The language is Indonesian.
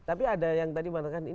tapi ada yang tadi